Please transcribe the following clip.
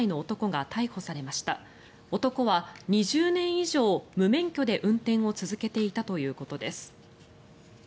男は２０年以上無免許で運転を続けていたということです。